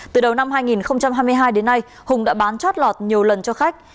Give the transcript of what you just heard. từ đầu năm hai nghìn hai mươi hai đến nay hùng đã bán chót lọt nhiều lần cho khách